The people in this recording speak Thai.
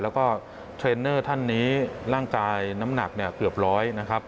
แล้วก็เทรนเนอร์ท่านนี้ร่างกายน้ำหนักเนี่ยเกือบร้อยนะครับ